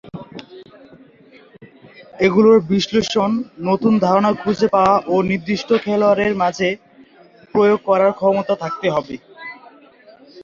এগুলোর বিশ্লেষণ, নতুন ধারণা খুঁজে পাওয়া ও নির্দিষ্ট খেলোয়াড়ের মাঝে প্রয়োগ করার ক্ষমতা থাকতে হবে।